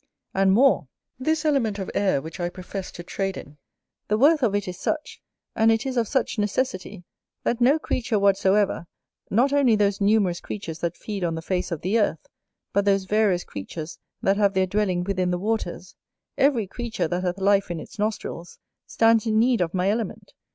And more; this element of air which I profess to trade in, the worth of it is such, and it is of such necessity, that no creature whatsoever not only those numerous creatures that feed on the face of the earth, but those various creatures that have their dwelling within the waters, every creature that hath life in its nostrils, stands in need of my element.